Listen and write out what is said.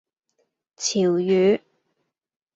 潮語